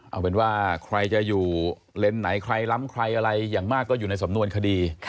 เอาเป็นว่าใครจะอยู่เลนส์ไหนใครล้ำใครอะไรอย่างมากก็อยู่ในสำนวนคดี